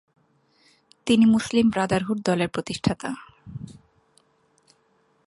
তিনি Muslim Brotherhood দলের প্রতিষ্ঠাতা।